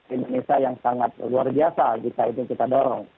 indonesia yang sangat luar biasa jika itu kita dorong